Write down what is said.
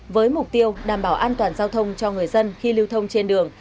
với mục tiêu đảm bảo an toàn giao thông cho người dân khi lưu thông trên đường